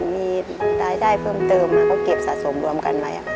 มีรายได้เพิ่มเติมเขาเก็บสะสมรวมกันไว้